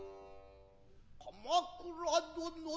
鎌倉殿の。